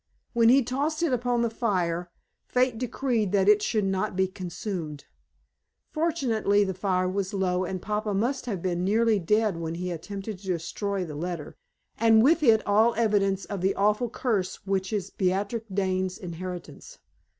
When he tossed it upon the fire, fate decreed that it should not be consumed. Fortunately, the fire was low, and papa must have been nearly dead when he attempted to destroy the letter, and with it all evidence of the awful curse which is Beatrix Dane's inheritance.